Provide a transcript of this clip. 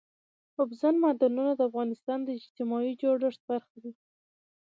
اوبزین معدنونه د افغانستان د اجتماعي جوړښت برخه ده.